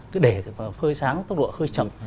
cứ để khơi sáng tốc độ khơi chậm